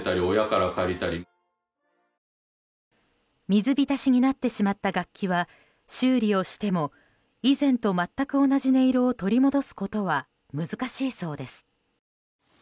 水浸しになってしまった楽器は修理をしても以前と全く同じ音色を取り戻すことは難しいそうです。